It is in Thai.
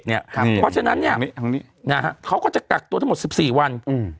เพราะฉะนั้นเขาก็จะกักตัวทั้งหมด๑๔วัน